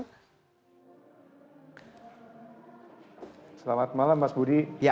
selamat malam mas budi